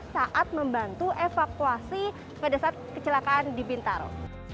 saat membantu evakuasi pada saat kecelakaan di bintaro